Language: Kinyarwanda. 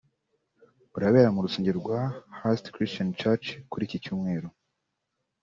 urabera mu rusengero rwa Hurst Christian Church kuri iki cyumweru